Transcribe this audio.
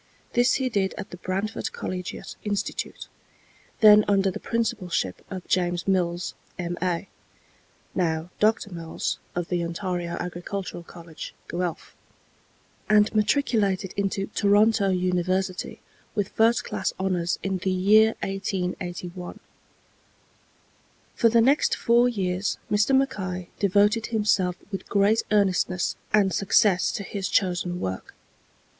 This he did at the Brantford Collegiate Institute, then under the principalship of James Mills, M.A. (now Dr. Mills, of the Ontario Agricultural College, Guelph), and matriculated into Toronto University with first class honors in the year 1881. For the next four years Mr. Mackay devoted himself with great earnestness and success to his chosen work.